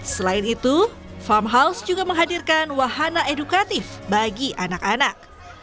selain itu farm house juga menghadirkan wahana edukatif bagi anak anak